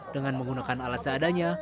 dengan menggunakan alat seadanya